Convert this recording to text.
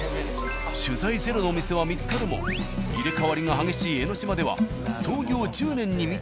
取材ゼロのお店は見つかるも入れ替わりが激しい江の島では。